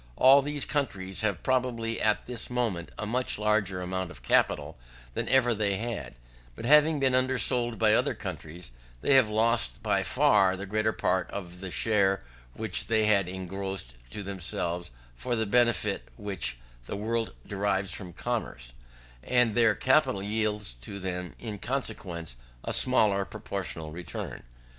All these countries have probably at this moment a much larger amount of capital than ever they had, but having been undersold by other countries, they have lost by far the greater part of the share which they had engrossed to themselves of the benefit which the world derives from commerce; and their capital yields to them in consequence a smaller proportional return.